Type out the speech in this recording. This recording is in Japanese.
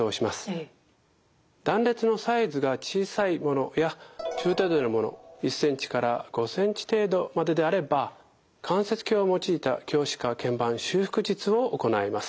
断裂のサイズが小さいものや中程度のもの１ｃｍから５ｃｍ程度までであれば関節鏡を用いた鏡視下けん板修復術を行います。